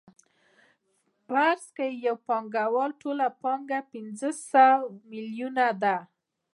فرض کړئ د یو پانګوال ټوله پانګه پنځه سوه میلیونه ده